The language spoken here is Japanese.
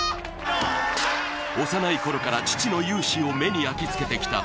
幼い頃から父の雄姿を目に焼きつけてきた。